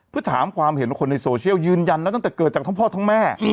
เพื่อถามความเห็นคนในโซเชียลยืนยันนะตั้งแต่เกิดจากทั้งพ่อทั้งแม่